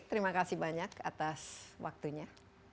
terima kasih banyak atas waktunya